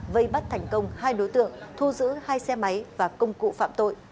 vây bắt thành công hai đối tượng thu giữ hai xe máy và công cụ phạm tội